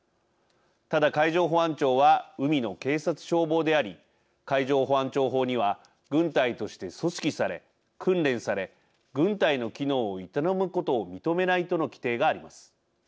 ただ海上保安庁は海の警察・消防であり海上保安庁法には軍隊として組織され訓練され軍隊の機能を営むことを認めないとの規定があります。